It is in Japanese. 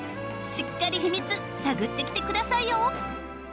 しっかり秘密探ってきてくださいよ！